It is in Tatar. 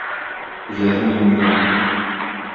Күзләрен йомды.